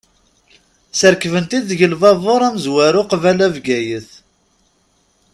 Srekben-t-id deg lbabur amezwaru qbala Bgayet.